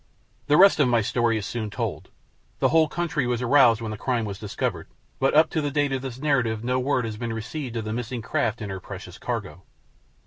The rest of my story is soon told. The whole country was aroused when the crime was discovered, but up to the date of this narrative no word has been received of the missing craft and her precious cargo.